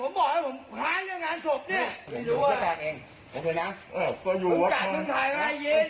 ไม่เรียบรู้ล่ะ